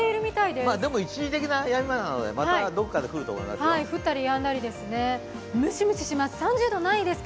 でも、一時的なやみ間なので、またどこかで来ると思います。